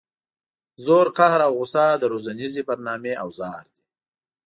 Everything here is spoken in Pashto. زور قهر او غصه د روزنیزې برنامې اوزار دي.